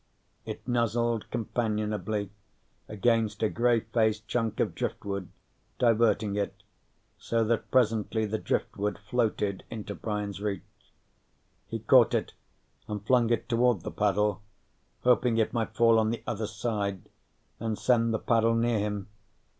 It nuzzled companionably against a gray faced chunk of driftwood, diverting it, so that presently the driftwood floated into Brian's reach. He caught it, and flung it toward the paddle, hoping it might fall on the other side and send the paddle near him.